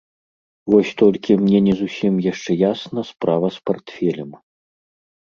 Вось толькі мне не зусім яшчэ ясна справа з партфелем.